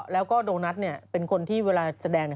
แล้วก็โดนัทเนี้ยเป็นคนที่เวลาแสดงเนี้ย